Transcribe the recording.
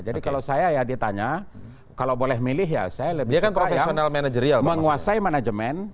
jadi kalau saya ya ditanya kalau boleh milih ya saya lebih suka yang menguasai manajemen